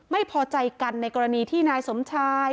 ไม่พอใจกันในกรณีที่นายสมชาย